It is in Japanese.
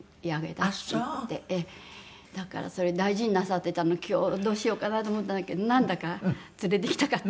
だからそれ大事になさってたの今日どうしようかなと思ったんだけどなんだか連れてきたかった。